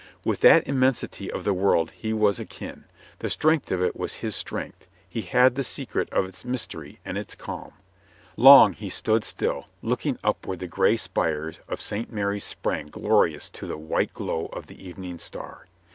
With that immensity of the world he was akin; the strength of it was his strength; he had the secret of its mystery and its ROYSTON BREAKS HIS SWORD 145 calm. Long he stood still, looking up where the gray spire of St. Mary's sprang glorious to the white glow of the evening star.